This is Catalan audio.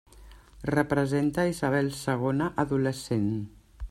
Representa Isabel segona adolescent.